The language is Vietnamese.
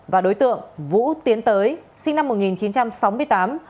và đối tượng vũ tiến tới sinh năm một nghìn chín trăm sáu mươi tám